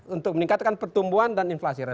untuk meningkatkan pertumbuhan dan inflasi